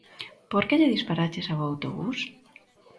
Por que lle disparaches ao autobús?